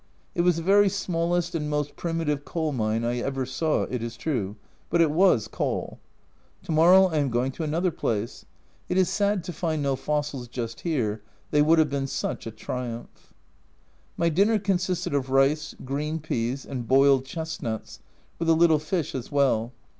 It was the very smallest and most primitive coal mine I ever saw, it is true but it was coal. To morrow I am going to another place : it is sad to find no fossils just here, they would have been such a triumph ! My dinner consisted of rice, green peas, and boiled chestnuts, with a little fish as well.